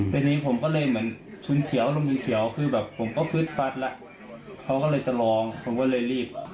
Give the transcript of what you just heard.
เป็นนี้ผมก็เลยเหมือนชุนเฉียวลงชุนเฉียวคือแบบผมก็ฟึดฟัดละเขาก็เลยจะลองผมก็เลยรีบ